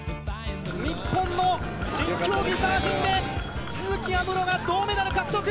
日本の新競技、サーフィンで、都筑有夢路が銅メダル獲得。